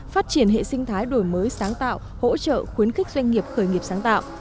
phát triển hệ sinh thái đổi mới sáng tạo hỗ trợ khuyến khích doanh nghiệp khởi nghiệp sáng tạo